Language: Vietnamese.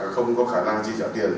không có khả năng chi trả tiền